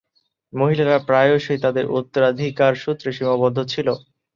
মহিলারা প্রায়শই তাদের উত্তরাধিকার সূত্রে সীমাবদ্ধ ছিল।